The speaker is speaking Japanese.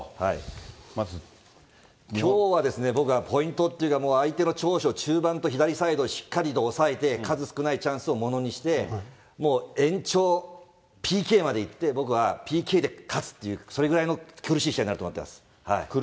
きょうはですね、僕はポイントっていうか、相手の長所、中盤と左サイドをしっかりと抑えて、数少ないチャンスをものにして、もう延長、ＰＫまでいって、僕はＰＫで勝つっていう、それぐらいの苦しい試合になってきます。